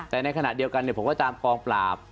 แต่ในขณะเดียวกันผมก็ตามกองปราบ